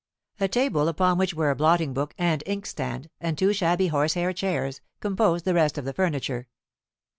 A table, upon which were a blotting book and inkstand, and two shabby horsehair chairs, composed the rest of the furniture.